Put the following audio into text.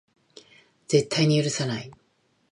絶対に許さない